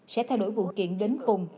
sẽ thay đổi vụ chuyện đến cùng